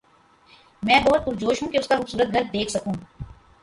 میں بہت پرجوش ہوں کہ اس کا خوبصورت گھر دیکھ سکوں